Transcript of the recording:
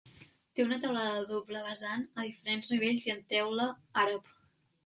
Té una teulada a doble vessant a diferents nivells i en teula àrab.